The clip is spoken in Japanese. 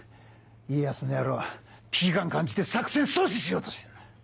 家康の野郎危機感感じて作戦阻止しようと！